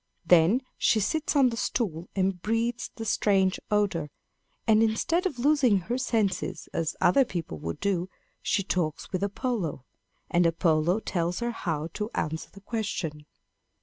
Then she sits on the stool and breathes the strange odor; and instead of losing her senses as other people would do, she talks with Apollo; and Apollo tells her how to answer the question.